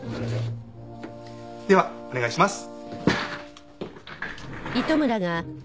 ではお願いします。